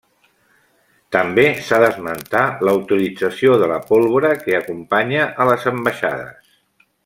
També s'ha d'esmentar la utilització de la pólvora que acompanya a les ambaixades.